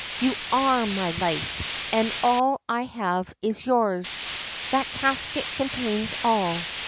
' You are my life, and all I have is yours. That casket contains all.